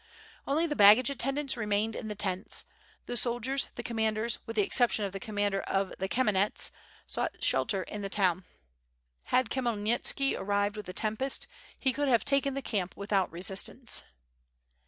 Only the baggage attendants remained in the tents, the soldiers, the commanders, with the excep tion of the commander of Kamenets, sought shelter in the town. Had Khmyelnitski arrived with the tempest he could have taken the camp without resistance.